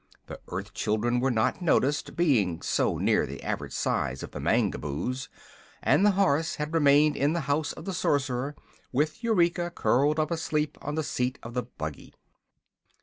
The earth children were not noticed, being so near the average size of the Mangaboos, and the horse had remained in the House of the Sorcerer, with Eureka curled up asleep on the seat of the buggy.